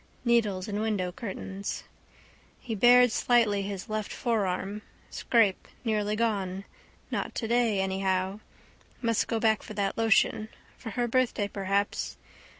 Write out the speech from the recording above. Needles in window curtains. He bared slightly his left forearm. Scrape: nearly gone. Not today anyhow. Must go back for that lotion. For her birthday perhaps.